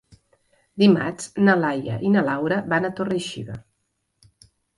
Dimarts na Laia i na Laura van a Torre-xiva.